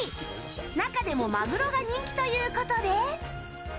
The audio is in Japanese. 中でもマグロが人気ということで。